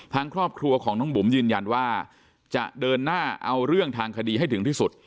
ทางครอบครัวของน้องบุ๋มยืนยันว่าจะเดินหน้าเอาเรื่องทางคดีให้ถึงที่สุด